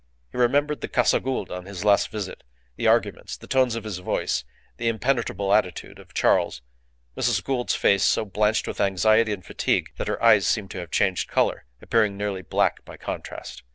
He remembered the Casa Gould on his last visit, the arguments, the tones of his voice, the impenetrable attitude of Charles, Mrs. Gould's face so blanched with anxiety and fatigue that her eyes seemed to have changed colour, appearing nearly black by contrast.